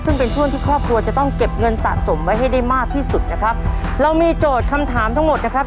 ซึ่งเป็นช่วงที่ครอบครัวจะต้องเก็บเงินสะสมไว้ให้ได้มากที่สุดนะครับเรามีโจทย์คำถามทั้งหมดนะครับ